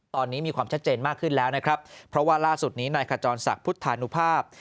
ตอนนี้มีความชัดเจนมากขึ้นแล้วนะครับเพราะว่าล่าสุดนี้นายขจรศักดิ์พุทธานุภาพ